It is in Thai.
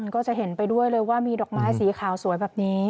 ก็จะเห็นไปด้วยเลยว่ามีดอกไม้สีขาวสวยแบบนี้